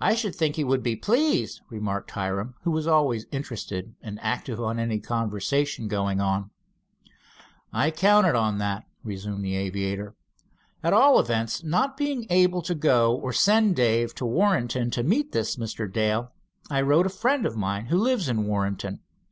"I should think he would be pleased," remarked Hiram, who was always interested and active in any conversation going on. "I counted on that," resumed the aviator. "At all events, not being able to go or send Dave to Warrenton to meet this Mr. Dale, I wrote to a friend of mine who lives at Warrenton.